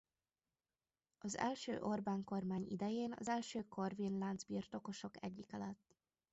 Az Első Orbán-kormány idején az első Corvin-lánc-birtokosok egyike lett.